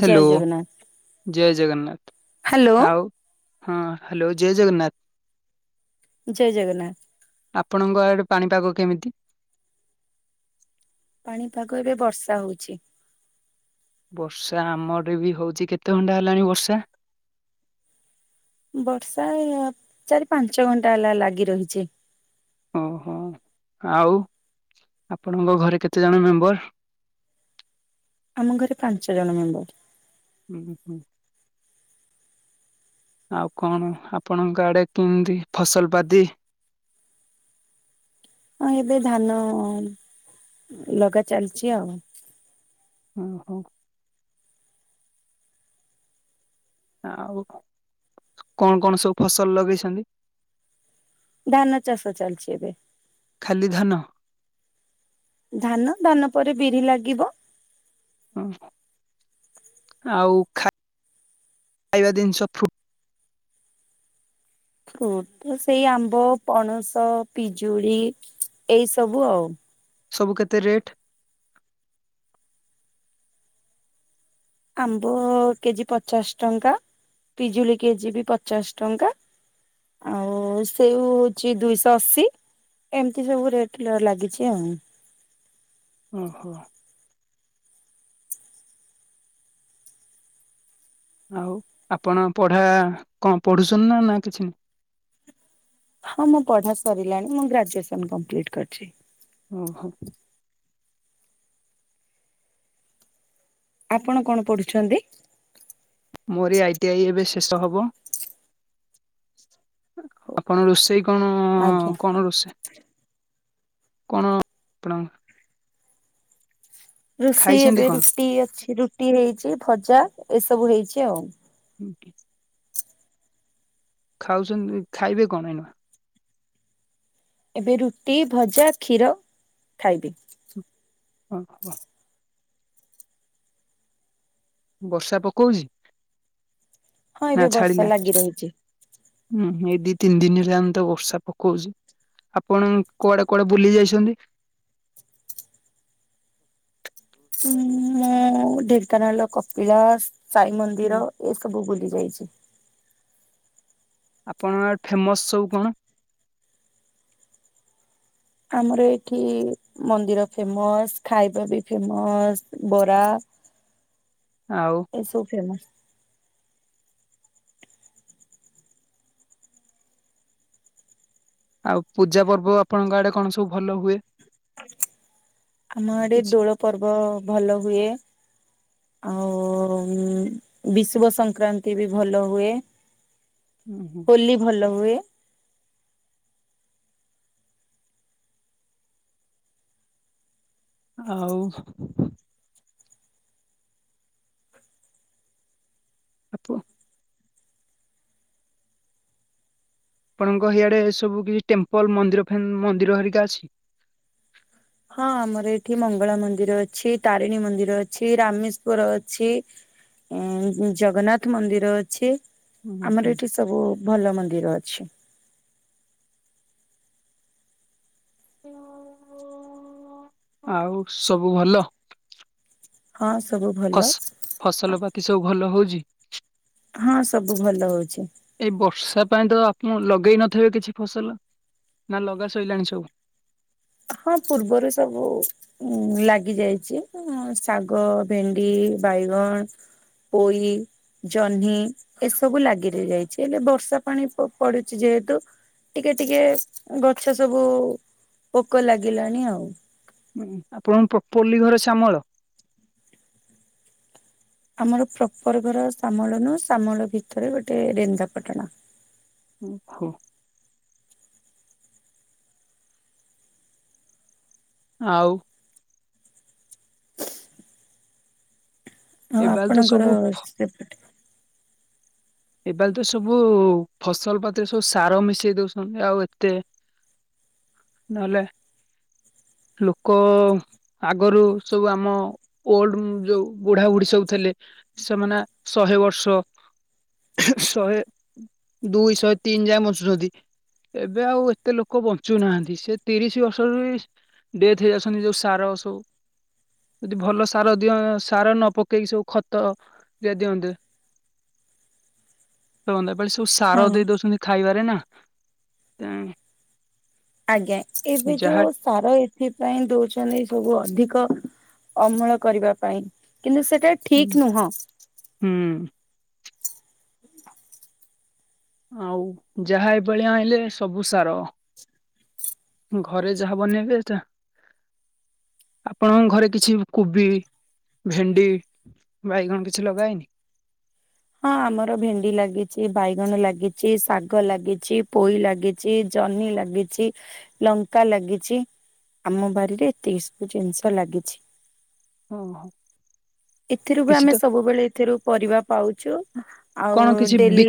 Hello ଜୟ ଜଗନ୍ନାଥ ଜୟ Jagannath hello. ଆଉ ହଁ ହ୍ୟାଲୋ ଜୟ ଜଗନ୍ନାଥ ଜୟ ଜଗନ୍ନାଥ ଆପଣଙ୍କ ଆଡେ ପାଣିପାଗ କେମିତି? ପାଣିପାଗ ଏବେ ବର୍ଷା ହଉଛି। ବର୍ଷା ଆମର ବି ହଉଛି କେତେ ଘଣ୍ଟା ହେଲାଣି ବର୍ଷା। ବର୍ଷା ଚାରି ପାଞ୍ଚ ଘଣ୍ଟା ହେଲା ଲାଗି ରହିଛି। ଓହୋ। ଆଉ ଆପଣଙ୍କ ଘରେ କେତେ ଜଣ ମେମ୍ବର? ଆମ ଘରେ ପାଞ୍ଚ ଜଣ ମେମ୍ବର। ହୁଁ ହୁଁ। ଆଉ କଣ ଆପଣଙ୍କ ଆଡେ କେମନ୍ତି ଫସଲ ବାଧି [inaudible] ହଁ ଏବେ ଧାନ ଲଗା ଚାଲିଛି ଆଉ। ଓହୋ। କଣ କଣ ସବୁ ଫସଲ ଲଗେଇଛନ୍ତି? ଧାନ ଚାଷ ଚାଲିଛି ଏବେ। ଖାଲି ଧାନ? ଧାନ, ଧାନ ପରେ ବିରି ଲାଗିବ। ହଁ। ଆଉ ଖା ଖାଇବା ଜିନିଷ ଫ୍ରୁ ଫ୍ରୁଟ ତ ସେଇ ଆମ୍ବ, ପଣସ, ପିଜୁଳି ଏଇ ସବୁ ଆଉ। ସବୁ କେତେ ରେଟ୍? ଆମ୍ବ କେଜି ପଚାଶ ଟଙ୍କା। ପିଜୁଳି କେଜି ବି ପଚାଶ ଟଙ୍କା। ଆଉ ସେଉ ହଉଛି ଦୁଇଶହ ଅଶୀ। ଏମିତି ସବୁ ରେଟ ଲାଗିଛି ଆଉ। ଓ ହୋ। ଆଉ ଆପଣଙ୍କ ପଢା, କଣ ପଢୁଛନ୍ତି ନା ନା କିଛି ନା ହଁ ମୋ ପଢା ସରିଲାଣି। ମୁଁ ଗ୍ରାଜୁଏସନ୍ କମ୍ପ୍ଲିଟ୍ କରିଚି। ଓ ହୋ। ଆପଣ କଣ ପଢୁଛନ୍ତି? ମୋରି ଆଇ ଟି ଆଇ ଏବେ ଶେଷ ହବ। ଆପଣ ରୋଷେଇ କଣ, ଆଜ୍ଞା। କଣ ରୋଷେଇ? କଣ ଆପଣଙ୍କର? ରୋଷେଇ ଖାଇଛନ୍ତି ଏବେ କଣ? ରୁଟି ଅଛି, ରୁଟି ହେଇଛି ଭଜା ଏସବୁ ହେଇଛି ଆଉ। [unintelligible] ଖାଉଛନ୍ତି, ଖାଇବେ କଣ ଏଇନା? ଏବେ ରୁଟି, ଭଜା, କ୍ଷୀର ଖାଇବି। ହଁ -ହ। ବର୍ଷା ପକଉଛି? ହଁ ଏବେ ବର୍ଷା ଲାଗି ରହିଛି। ଉଁ -ହୁଁ ଏଇ ଦି ତିନି ଦିନ ହେଲାଣି ତ ବର୍ଷା ପକଉଛି। ଆପଣ କୁଆଡେ କୁଆଡେ ବୁଲି ଯାଇଛନ୍ତି? [inaudible] ମୁଁ ଢେଙ୍କାନାଳର କପିଳାସ, ସାଇ ମନ୍ଦିର ଏ ସବୁ ବୁଲି ଯାଇଛି। ଆପଣଙ୍କ ଫେମସ ସବୁ କଣ? ଆମର ଏଠି ମନ୍ଦିର ଫେମସ, ଖାଇବା ବି ଫେମସ, ବରା ଆଉ ଏ ସବୁ ଫେମସ। ଆଉ ପୂଜା ପର୍ବ ଆପଣଙ୍କ ଆଡେ କଣ ସବୁ ଭଲ ହୁଏ? ଆମ ଆଡେ କିଛି? ଦୋଳ ପର୍ବ ଭଲ ହୁଏ। ଆଉ ବିଷୁବ ସଂକ୍ରାନ୍ତି ବି ଭଲ ହୁଏ। ହୋଲି ଭଲ ହୁଏ। ଆଉ ଆପ ଆପଣଙ୍କ ହେଆଡେ ସବୁ କିଛି, ଟେମ୍ପଲ ମନ୍ଦିର ଫ ମନ୍ଦିର ହେରିକା ଅଛି? ହଁ ଆମର ଏଠି ମଙ୍ଗଳା ମନ୍ଦିର ଅଛି, ତାରିଣୀ ମନ୍ଦିର ଅଛି, ରାମେଶ୍ଵର ଅଛି। ଇଁ ଜଗନ୍ନାଥ ମନ୍ଦିର ଅଛି। ହୁଁ ଆମର ହୁଁ ଏଠି ସବୁ ଭଲ ମନ୍ଦିର ଅଛି। ଆଉ ସବୁ ଭଲ? ହଁ ସବୁ ଭଲ। ଫସ ଫସଲ ବାକି ସବୁ ଭଲ ହଉଛି? ହଁ ସବୁ ଭଲ ହଉଛି ଏଇ ବର୍ଷା ପାଇଁ ତ [unintelligible] ଲଗେଇ ନଥିବ କିଛି ଫସଲ? ନା ଲଗା ସଇଲାଣି ସବୁ। ହଁ ପୂର୍ବରୁ ସବୁ ଲାଗି ଯାଇଛି ଶାଗ, ଭେଣ୍ଡି ବାଇଗଣ, ପୋଇ ଜହ୍ନି ଏସବୁ ଲାଗିରହି ଯାଇଛି ହେଲେ ବର୍ଷା ପାଣି ପଡୁଛି ଯେହେତୁ ଟିକେ ଟିକେ ଗଛ ସବୁ ପୋକ ଲାଗିଲାଣି ଆଉ। ହୁଁ ଆପଣଙ୍କ ପ୍ରପଲି ଘର ଶ୍ୟାମଳ। ଆମର ପ୍ରପର ଘର ସାମଳ ନୁହଁ ସାମଳ ଭିତରେ ଗୋଟେ ରେନ୍ଦା ପାଟଣା। ଓ ହୋ। ଆଉ। ଆଉ ଏବାଲ ତ ଆପଣଙ୍କର ସବୁ ସେପଟେ। ଏପାଳି ତ ସବୁ ଫସଲ ପାତିରେ ସବୁ ସାର ମିଶେଇ ଦଉଛନ୍ତି ଆଉ ଏତେ ହ ନହେଲେ ଲୋକ ଅ ଆଗରୁ ସବୁ ଆମ ଓଲଡ ଯୋଉ ବୁଢା ବୁଢୀ ସବୁ ଥେଲେ ସେମାନେ ସ ସହେ ବର୍ଷ। [inaudible] ଶହେ ଦୁଇ ଶହେ ତିନି ଯାଏ ବଚୁସନ୍ତି। ଏବେ ଆଉ ଏତେ ଲୋକ ବଞ୍ଚୁନାହାନ୍ତି ସେ ତିରିଶ ବର୍ଷରୁ ବି। ଡେଥ୍ ହେଇଯାଉଛନ୍ତି ଯୋଉ ସାର ସବୁ। ଯଦି ଭଲ ସାର ଦିଅ ସାର ନ ପକେଇକି ସବୁ ଖତ ଦଆ ଦିଅନ୍ତେ। ତଏପାଳି ସବୁ ସାର ହଁ। ଦେଇ ଦଉସନ୍ତି ଖାଇବାରେ ନା। ହ [inaudible] ଆଜ୍ଞା ଏବେ ଯୋଉ ସାର ଏଥିପାଇଁ ଦଉଛନ୍ତି ସବୁ ଅଧିକ। ଅମଳ କରିବା ପାଇଁ କିନ୍ତୁ ସେଟା ଠିକ ନୁହଁ। ହୁଁ ଆଉ ଯାହା ଏପାଳି ଆଇଁଲେ ସବୁ ସାର। ଘରେ ଯାହା ବନେଇବେ ଏଟା ଆପଣଙ୍କ ଘରେ କିଛି କୋବି ଭେଣ୍ଡି ବାଇଗଣ କିଛି ଲଗାହେଇନି? ହଁ ଆମର ଭେଣ୍ଡି ଲାଗିଚି ବାଇଗଣ ଲାଗିଚି ଶାଗ ଲାଗିଚି ପୋଇ ଲାଗିଚି ଜ ଜହ୍ନି ଲାଗିଚି ଲଙ୍କା ଲାଗିଚି। ଆମ ବାରିରେ ଏତିକି ସବୁ ଜିନିଷ ଲାଗିଛି। ଓହୋ ଏଥିରୁ ବି କିଛି ଆମେ ତ ସବୁବେଳେ ଏଥିରୁ ପରିବା ପାଉ। ଚୁ ଆଉ କଣ ଡେଲି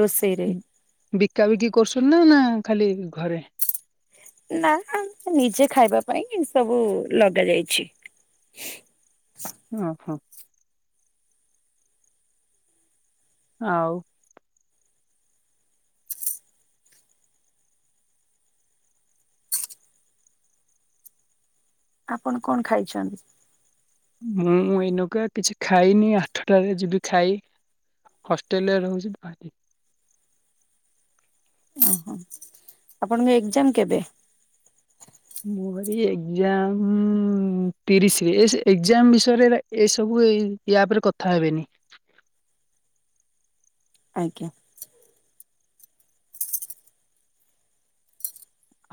ରୋଷେଇରେ। ବିକାବିକି କରୁସନି ନା ନା ଖାଲି ଘରେ। ନା ନିଜେ ଖାଇବା ପାଇଁ ସବୁ ଲଗା ଯାଇଛି। ହ ଅ ହ। ଆଉ। ଆପଣ କଣ ଖାଇଛନ୍ତି? ମୁଁ ଏଇନୁକା କିଛି ଖାଇନି ଆଠଟାରେ ଯିବି ଖାଇ। ହଷ୍ଟେଲରେ ରହୁଛି ବା ଅ ହୋ ଆପଣଙ୍କ ଏକ୍ଜାମ କେବେ? ଏଜାମ ତିରିଶରେ ଏ ଏକ୍ଜାମ ବିଷୟରେଏରା ଏସବୁ ଏ ୟା ତାପରେ କଥା ହେବେନି। ଆଜ୍ଞା।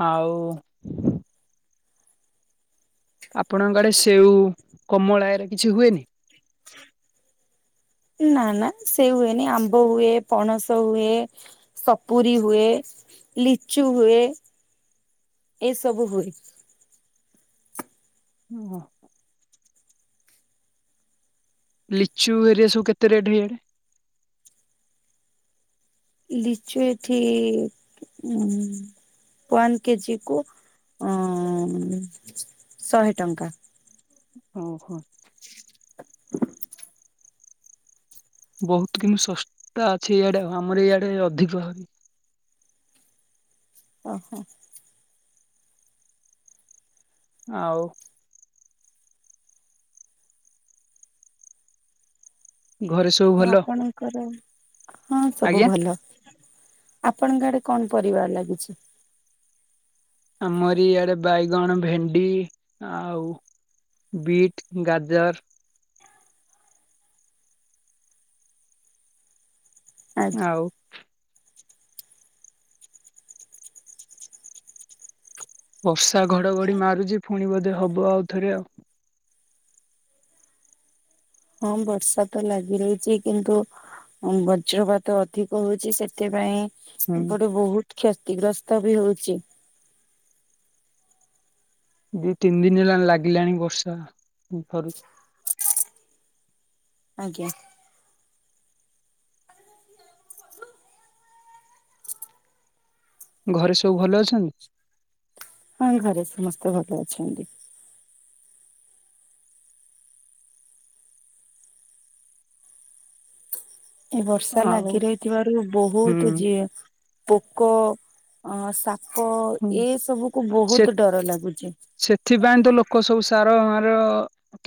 ଆଉ। ଆପଣଙ୍କ ଆଡେ ସେଉ କମଳା ଏରା କିଛି ହୁଏନି। ନା ନା ସେଉ ହୁଏନି ଆମ୍ବ ହୁଏ ପଣସ ହୁଏ ସପୁରୀ ହୁଏ। ଲିଚୁ ହୁଏ ଏସବୁ ହୁଏ। ଓ ହୋ। ଲିଚୁ ଏରିଆ ସବୁ କେତେ ରେଟ ହିଆଡେ। ଲିଚୁ ଏଠି ଉଁ ୱାନ୍ କେଜିକୁ ଅ ଶହେ ଟଙ୍କା। ଓ ହୋ। ବହୁତ କିନ୍ତୁ ଶସ୍ତା ଅଛି ଇଆଡେ, ଆମର ଇଆଡେ ଅଧିକ ହଇ। ଓ ହୋ। ଆଉ ଘରେ ସବୁ ଆଉ ଭଲ ଆପଣଙ୍କର କଣ ସବୁ ଆଜ୍ଞା ଭଲ? ଆପଣଙ୍କ ଆଡେ କଣ ପରିବା ଲାଗିଛି? ଆମରି ଇଆଡେ ବାଇଗଣ, ଭେଣ୍ଡି ଆଉ ବିଟ୍, ଗାଜର ଆଜ୍ଞା ଆଉ ବର୍ଷା ଘଡଘଡି ମାରୁଛି, ପୁଣି ବୋଧେ ହବ ଆଉଥରେ ଆଉ। ହଁ ବର୍ଷା ତ ଲାଗି ରହିଛି, କିନ୍ତୁ ବଜ୍ରପାତ ଅଧିକ ହଉଛି, ସେଥିପାଇଁ ହୁଁ। ଏପଟେ ବହୁତ କ୍ଷତିଗ୍ରସ୍ତ ବି ହଉଛି। ଦି ତିନି ଦିନ ହେଲାଣି ଲାଗିଲାଣି ବର୍ଷା। [unintelligible] ଆଜ୍ଞା। ଘରେ ସବୁ ଭଲ ଅଛନ୍ତି? ହଁ ଘରେ ସମସ୍ତେ ଭଲ ଅଛନ୍ତି। ଏ ବର୍ଷା ଆଉ ଲାଗି ରହିଥିବାରୁ ବହୁତ ହୁଁ ଜୀ ପୋକ, ସା ପ ଏ ସବୁକୁ ସେ ବହୁତ ଡର ଲାଗୁଚି। ଆ ଆମର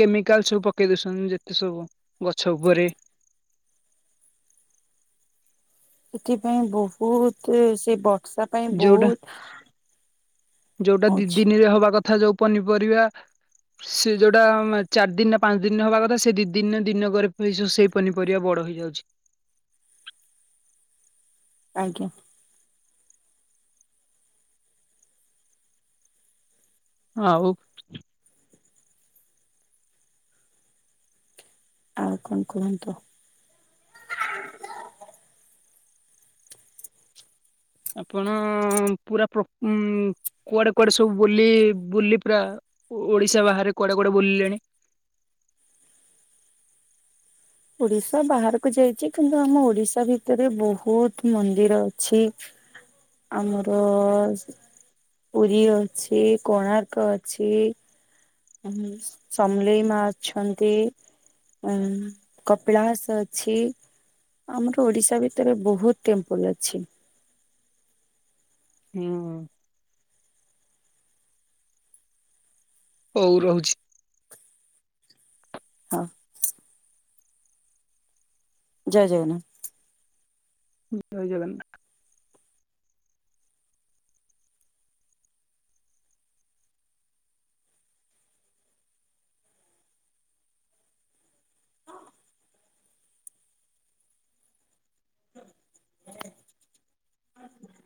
କେମିକାଲ ସବୁ ପକେଇ ଦଉଛନ୍ତି, ଯେତେ ସବୁ ଗଛ ଉପରେ। [inaudible] ସେଥିପାଇଁ ବହୁତ, ସେ ବର୍ଷା ପାଇଁ ଯୋଉଟା ବହୁତ ଯୋଉଟା ଦି ହଉଛି ଦିନିରେ ହବା କଥା, ଯୋଉ ପନିପରିବା ସେ ଯୋଉଟା ଚାରି ଦିନ ନା ପାଞ୍ଚ ଦିନରେ ହବା କଥା, ସେ ଦି ଦିନ ଦିନକରେ ସେଇ ପନିପରିବା ବଢ ରହିଯାଉଛି। ଆଜ୍ଞା। ଆଉ। ଆଉ କଣ କୁହନ୍ତୁ? ଆପଣ ପୁରା ପ୍ରୋ ଉଁ କୁଆଡେ କୁଆଡେ ସବୁ ବୁଲି ବୁଲି ପ୍ରା ଓଡିଶା ବାହାରେ କୁଆଡେ କୁଆଡେ ବୁଲିଲେଣି? [inaudible] ଓଡିଶା ବାହାରକୁ ଯାଇଛି, କିନ୍ତୁ ଆମ ଓଡିଶା ଭିତରେ ବହୁତ ମନ୍ଦିର ଅଛି। ଆମର ପୁରୀ ଅଛି, କୋଣାର୍କ ଅଛି ସମଲେଇ ମା ଅଛନ୍ତି। ହଁ କପିଳାସ ଅଛି। ଆମର ଓଡିଶା ଭିତରେ ବହୁତ ଟେମ୍ପଲ ଅଛି। ହୁଁ। ହଉ ରହୁଛି। ହଉ। ଜୟ ଜଗନ୍ନାଥ। ଜୟ ଜଗନ୍ନାଥ।